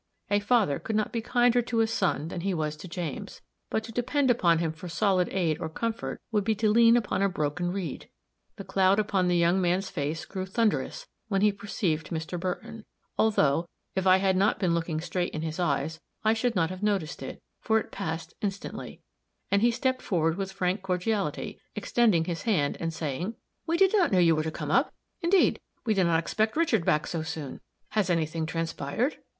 A father could not be kinder to a son than he was to James; but to depend upon him for solid aid or comfort would be to lean upon a broken reed. The cloud upon the young man's face grew thunderous when he perceived Mr. Burton; although, if I had not been looking straight in his eyes, I should not have noticed it, for it passed instantly, and he stepped forward with frank cordiality, extending his hand, and saying, "We did not know you were to come up. Indeed, we did not expect Richard back so soon. Has any thing transpired?"